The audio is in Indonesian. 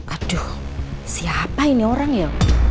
aduh siapa ini orang ya